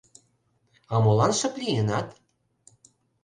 — А молан шып лийынат?